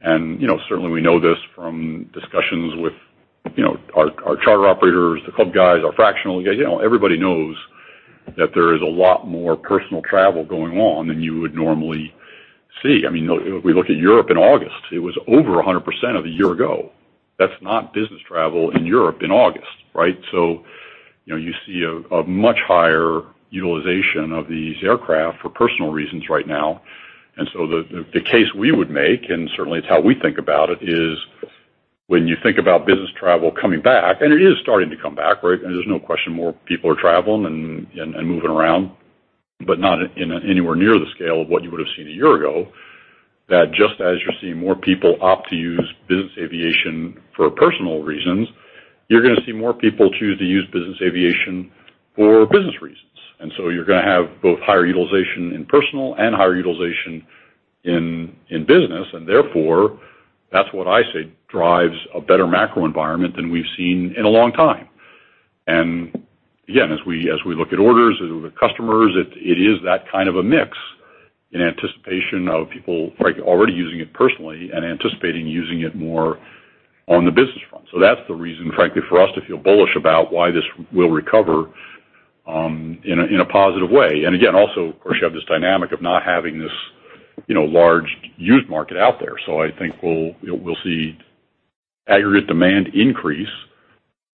And certainly, we know this from discussions with our charter operators, the club guys, our fractional guys. Everybody knows that there is a lot more personal travel going on than you would normally see. I mean, if we look at Europe in August, it was over 100% of a year ago. That's not business travel in Europe in August, right? So you see a much higher utilization of these aircraft for personal reasons right now. And so the case we would make, and certainly it's how we think about it, is when you think about business travel coming back, and it is starting to come back, right? And there's no question more people are traveling and moving around, but not anywhere near the scale of what you would have seen a year ago, that just as you're seeing more people opt to use business Aviation for personal reasons, you're going to see more people choose to use business Aviation for business reasons. And so you're going to have both higher utilization in personal and higher utilization in business. And therefore, that's what I say drives a better macro environment than we've seen in a long time. And again, as we look at orders, as we look at customers, it is that kind of a mix in anticipation of people already using it personally and anticipating using it more on the business front. So that's the reason, frankly, for us to feel bullish about why this will recover in a positive way. And again, also, of course, you have this dynamic of not having this large used market out there. So I think we'll see aggregate demand increase,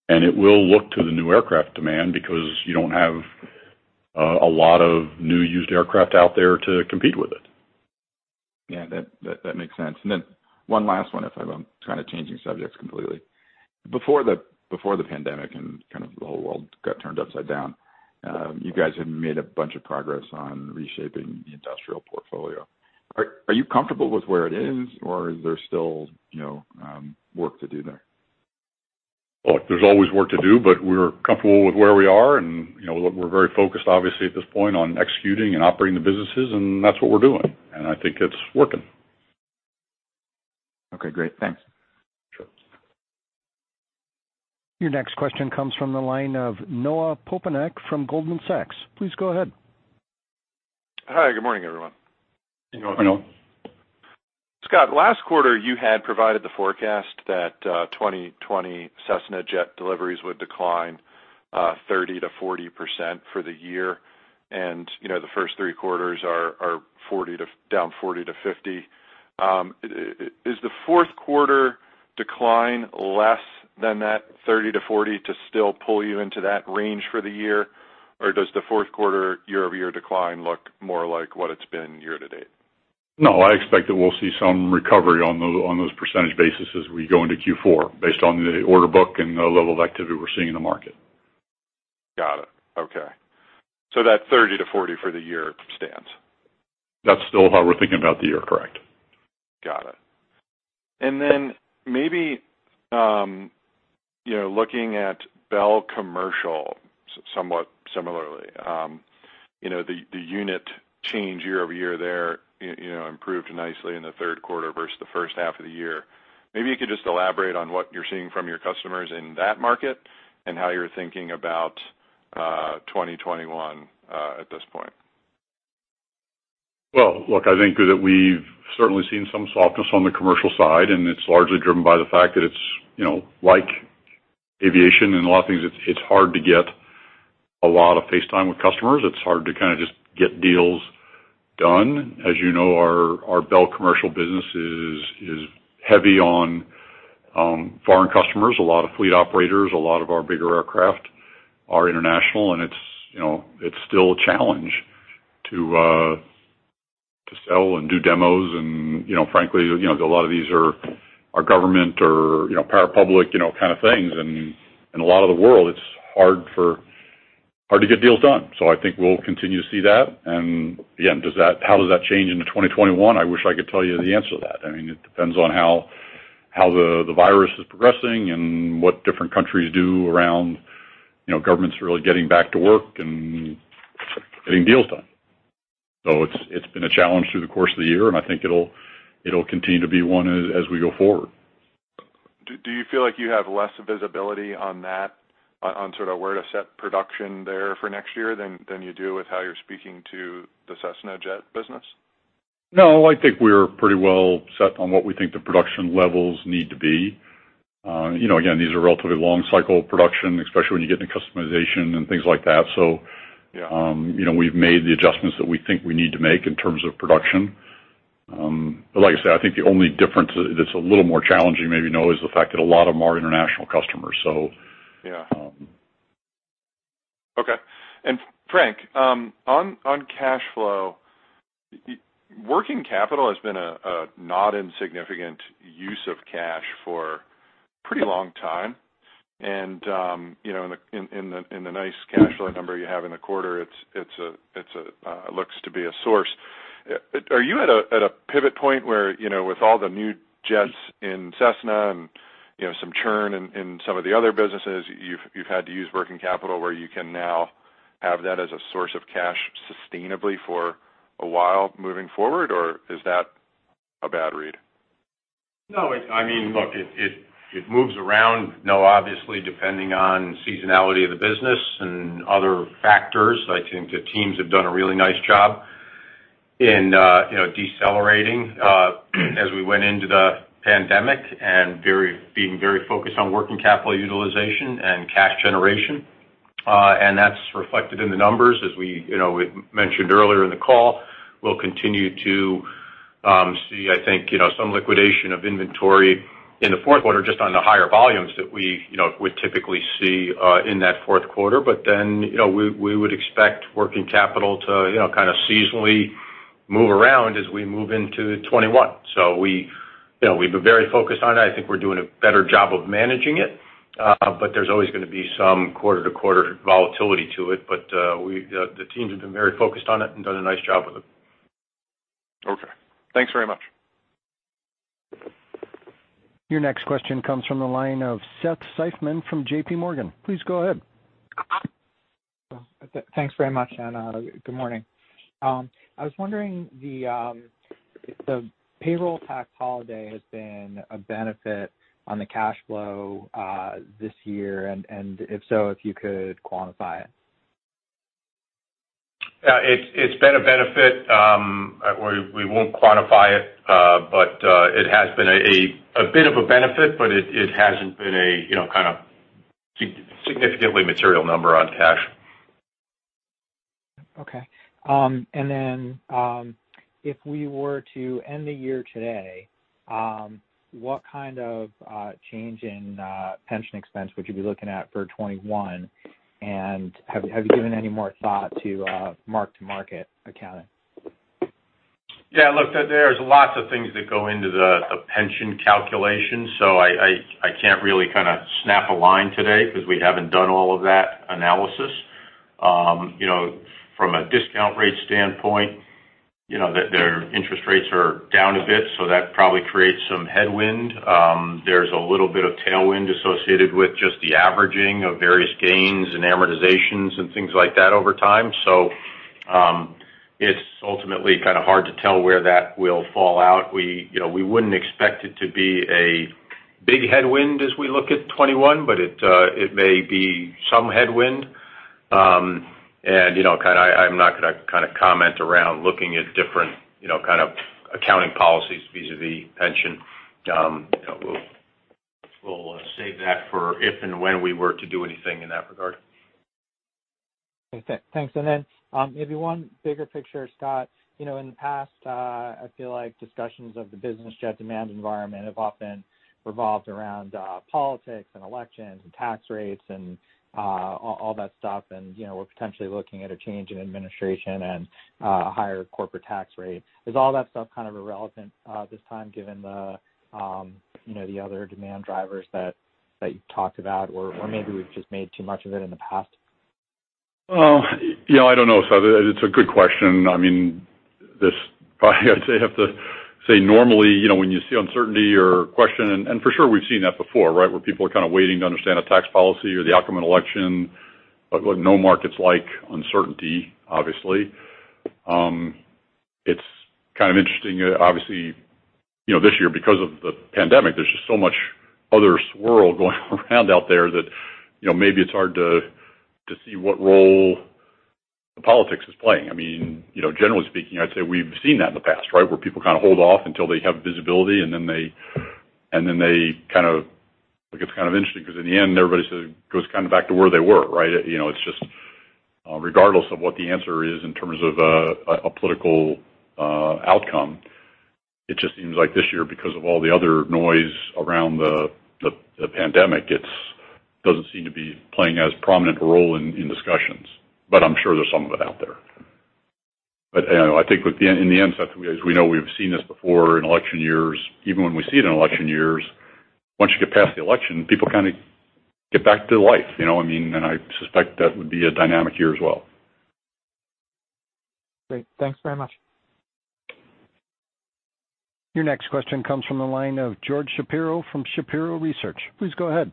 and it will look to the new aircraft demand because you don't have a lot of new used aircraft out there to compete with it. Yeah, that makes sense. And then one last one, if I'm kind of changing subjects completely. Before the pandemic and kind of the whole world got turned upside down, you guys had made a bunch of progress on reshaping the Industrial portfolio. Are you comfortable with where it is, or is there still work to do there? Look, there's always work to do, but we're comfortable with where we are. And we're very focused, obviously, at this point on executing and operating the businesses, and that's what we're doing. And I think it's working. Okay, great. Thanks. Sure. Your next question comes from the line of Noah Poponak from Goldman Sachs. Please go ahead. Hi, Good morning, everyone. Hey, Noah. Scott, last quarter, you had provided the forecast that 2020 Cessna jet deliveries would decline 30%-40% for the year. The first three quarters are down 40%-50%. Is the fourth quarter decline less than that 30%-40% to still pull you into that range for the year, or does the fourth quarter year-over-year decline look more like what it's been year to date? No, I expect that we'll see some recovery on those percentage basis as we go into Q4 based on the order book and the level of activity we're seeing in the market. Got it. Okay. So that 30-40 for the year stands? That's still how we're thinking about the year, correct? Got it. And then maybe looking at Bell Commercial somewhat similarly, the unit change year-over-year there improved nicely in the third quarter versus the first half of the year. Maybe you could just elaborate on what you're seeing from your customers in that market and how you're thinking about 2021 at this point? Well, look, I think that we've certainly seen some softness on the commercial side, and it's largely driven by the fact that it's, like, Aviation, and a lot of things. It's hard to get a lot of face time with customers. It's hard to kind of just get deals done. As you know, our Bell Commercial business is heavy on foreign customers. A lot of fleet operators, a lot of our bigger aircraft are international, and it's still a challenge to sell and do demos, and frankly, a lot of these are government or private public kind of things, and in a lot of the world, it's hard to get deals done, so I think we'll continue to see that, and again, how does that change into 2021? I wish I could tell you the answer to that. I mean, it depends on how the virus is progressing and what different countries do around governments really getting back to work and getting deals done. So it's been a challenge through the course of the year, and I think it'll continue to be one as we go forward. Do you feel like you have less visibility on sort of where to set production there for next year than you do with how you're speaking to the Cessna jet business? No, I think we're pretty well set on what we think the production levels need to be. Again, these are relatively long-cycle production, especially when you get into customization and things like that. So we've made the adjustments that we think we need to make in terms of production. But like I said, I think the only difference that's a little more challenging maybe is the fact that a lot of them are international customers, so. Yeah. Okay. And Frank, on cash flow, working capital has been a not insignificant use of cash for a pretty long time. And in the nice cash flow number you have in the quarter, it looks to be a source. Are you at a pivot point where with all the new jets in Cessna and some churn in some of the other businesses, you've had to use working capital where you can now have that as a source of cash sustainably for a while moving forward, or is that a bad read? No, I mean, look, it moves around, obviously, depending on seasonality of the business and other factors. I think the teams have done a really nice job in decelerating as we went into the pandemic and being very focused on working capital utilization and cash generation. And that's reflected in the numbers. As we mentioned earlier in the call, we'll continue to see, I think, some liquidation of inventory in the fourth quarter, just on the higher volumes that we would typically see in that fourth quarter. But then we would expect working capital to kind of seasonally move around as we move into 2021. So we've been very focused on it. I think we're doing a better job of managing it, but there's always going to be some quarter-to-quarter volatility to it. But the teams have been very focused on it and done a nice job with it. Okay. Thanks very much. Your next question comes from the line of Seth Seifman from J.P. Morgan. Please go ahead. Thanks very much, and good morning. I was wondering if the payroll tax holiday has been a benefit on the cash flow this year, and if so, if you could quantify it. It's been a benefit. We won't quantify it, but it has been a bit of a benefit, but it hasn't been a kind of significantly material number on cash. Okay. And then if we were to end the year today, what kind of change in pension expense would you be looking at for 2021? And have you given any more thought to mark-to-market accounting? Yeah, look, there's lots of things that go into the pension calculation, so I can't really kind of snap a line today because we haven't done all of that analysis. From a discount rate standpoint, their interest rates are down a bit, so that probably creates some headwind. There's a little bit of tailwind associated with just the averaging of various gains and amortizations and things like that over time, so it's ultimately kind of hard to tell where that will fall out. We wouldn't expect it to be a big headwind as we look at 2021, but it may be some headwind, and kind of I'm not going to kind of comment around looking at different kind of accounting policies vis-à-vis pension. We'll save that for if and when we were to do anything in that regard. Thanks. And then maybe one bigger picture, Scott. In the past, I feel like discussions of the business jet demand environment have often revolved around politics and elections and tax rates and all that stuff. And we're potentially looking at a change in administration and a higher corporate tax rate. Is all that stuff kind of irrelevant this time given the other demand drivers that you've talked about, or maybe we've just made too much of it in the past? Well, yeah, I don't know. So it's a good question. I mean, I'd say normally, when you see uncertainty or question, and for sure, we've seen that before, right, where people are kind of waiting to understand a tax policy or the outcome of an election. Look, no markets like uncertainty, obviously. It's kind of interesting, obviously, this year because of the pandemic, there's just so much other swirl going around out there that maybe it's hard to see what role the politics is playing. I mean, generally speaking, I'd say we've seen that in the past, right, where people kind of hold off until they have visibility, and then it's kind of interesting because in the end, everybody goes kind of back to where they were, right? It's just regardless of what the answer is in terms of a political outcome, it just seems like this year, because of all the other noise around the pandemic, it doesn't seem to be playing as prominent a role in discussions, but I'm sure there's some of it out there, but I think in the end, as we know, we've seen this before in election years. Even when we see it in election years, once you get past the election, people kind of get back to life. I mean, and I suspect that would be a dynamic year as well. Great. Thanks very much. Your next question comes from the line of George Shapiro from Shapiro Research. Please go ahead.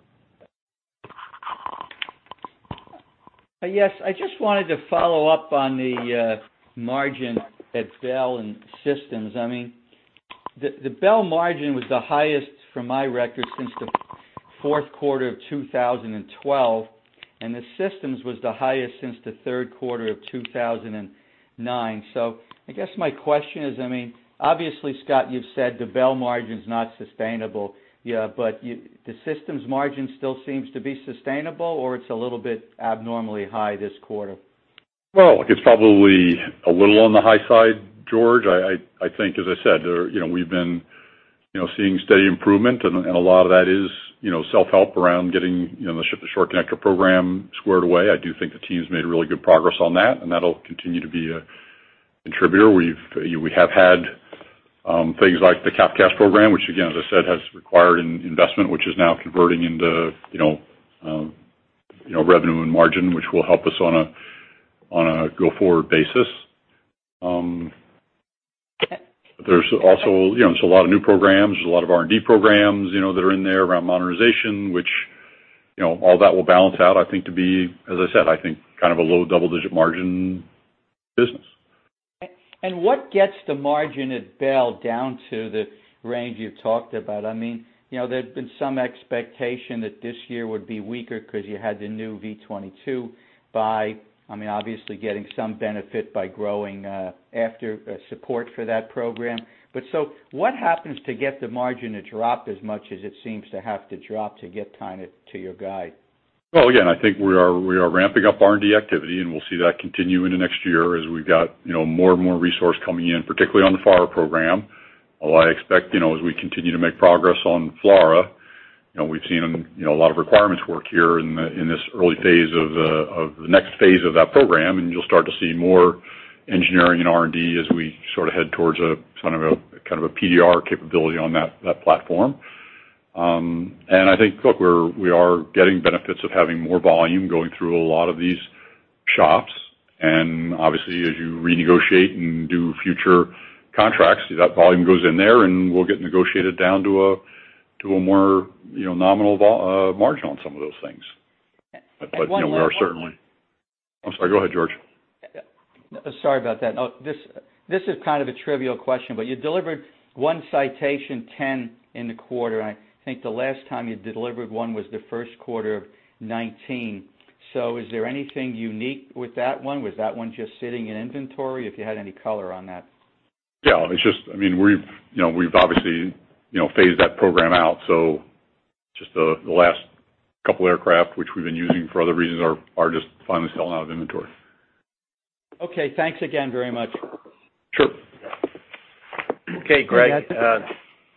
Yes. I just wanted to follow up on the margin at Bell and Systems. I mean, the Bell margin was the highest from my records since the fourth quarter of 2012, and the Systems was the highest since the third quarter of 2009. So I guess my question is, I mean, obviously, Scott, you've said the Bell margin's not sustainable, but the Systems margin still seems to be sustainable, or it's a little bit abnormally high this quarter? It's probably a little on the high side, George. I think, as I said, we've been seeing steady improvement, and a lot of that is self-help around getting the Ship-to-Shore Connector program squared away. I do think the teams made really good progress on that, and that'll continue to be a contributor. We have had things like the CAF CAS program, which, again, as I said, has required investment, which is now converting into revenue and margin, which will help us on a go-forward basis. There's also a lot of new programs. There's a lot of R&D programs that are in there around modernization, which all that will balance out, I think, to be, as I said, I think, kind of a low double-digit margin business. And what gets the margin at Bell down to the range you've talked about? I mean, there's been some expectation that this year would be weaker because you had the new V-22 buy. I mean, obviously, getting some benefit by growing aftermarket support for that program. But so what happens to get the margin to drop as much as it seems to have to drop to get kind of to your guide? Well, again, I think we are ramping up R&D activity, and we'll see that continue into next year as we've got more and more resources coming in, particularly on the FARA program. Well, I expect as we continue to make progress on FLRAA, we've seen a lot of requirements work here in this early phase of the next phase of that program, and you'll start to see more engineering and R&D as we sort of head towards kind of a PDR capability on that platform. And I think, look, we are getting benefits of having more volume going through a lot of these shops. And obviously, as you renegotiate and do future contracts, that volume goes in there, and we'll get negotiated down to a more nominal margin on some of those things. But we are certainly. I'm sorry. Go ahead, George. Sorry about that. This is kind of a trivial question, but you delivered one Citation X in the quarter. I think the last time you delivered one was the first quarter of 2019. So is there anything unique with that one? Was that one just sitting in inventory? If you had any color on that. Yeah. I mean, we've obviously phased that program out. So just the last couple of aircraft, which we've been using for other reasons, are just finally selling out of inventory. Okay. Thanks again very much. Sure. Okay, Greg.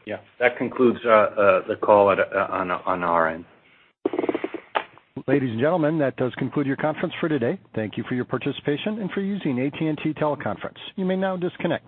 Yeah. That concludes the call on our end. Ladies and gentlemen, that does conclude your conference for today. Thank you for your participation and for using AT&T Teleconference. You may now disconnect.